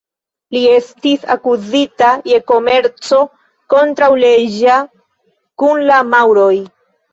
Li estis akuzita je komerco kontraŭleĝa kun la maŭroj.